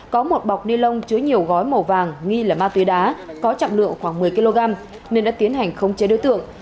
có một bọc ni lông chứa nhiều gói màu vàng nghi là ma túy đá có trọng lượng khoảng một mươi kg nên đã tiến hành khống chế đối tượng